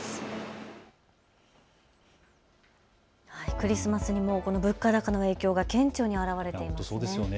クリスマスにもこの物価高の影響が顕著に表れていますね。